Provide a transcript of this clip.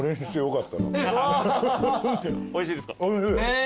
おいしいですか？